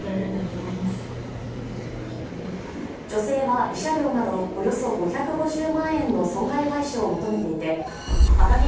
女性は慰謝料など、およそ５５０万円の損害賠償を求めていて、アカギ